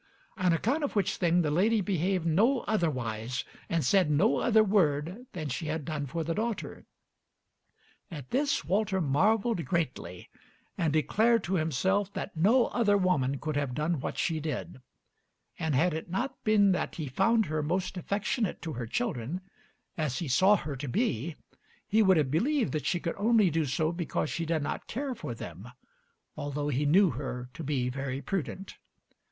On account of which thing the lady behaved no otherwise and said no other word than she had done for the daughter. At this Walter marveled greatly, and declared to himself that no other woman could have done what she did; and had it not been that he found her most affectionate to her children, as he saw her to be, he would have believed that she could only do so because she did not care for them, although he knew her to be very prudent.